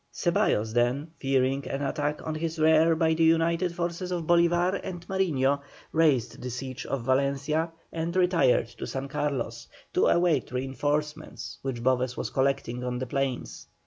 Ceballos then, fearing an attack on his rear by the united forces of Bolívar and Mariño, raised the siege of Valencia and retired to San Carlos, to await reinforcements which Boves was collecting on the plains.